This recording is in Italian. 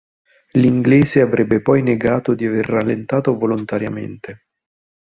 L'inglese avrebbe poi negato di aver rallentato volontariamente.